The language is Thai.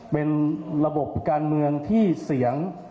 เป็นระบบการเมืองที่เสียง